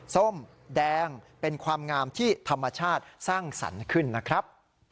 ส้มแดงเป็นความงามที่ธรรมชาติสร้างสรรค์ขึ้นนะครับ